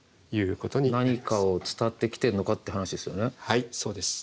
はいそうです。